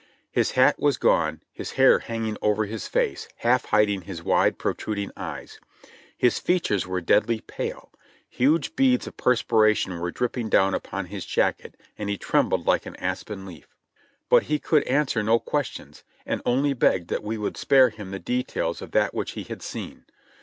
His hat was gone, his hair hanging over his face, half hiding his wide, protruding eyes; his features were deadly pale, huge beads of perspiration were dropping down upon his jacket and he trembled Hke an aspen leaf. But he could answer no questions, and only begged that we would spare him the details of that which he had seen.